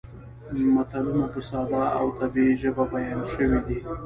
متلونه په ساده او طبیعي ژبه بیان شوي دي